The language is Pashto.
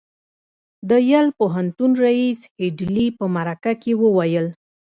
د یل پوهنتون ريیس هيډلي په مرکه کې وویل